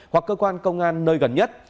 hoặc cơ quan công an nơi gần nhất